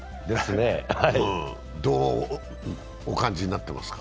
どう、お感じになってますか？